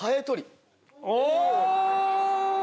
お！